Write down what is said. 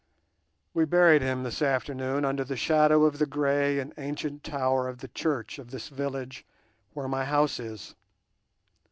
"We buried him this afternoon under the shadow of the grey and ancient tower of the church of this village where my house is.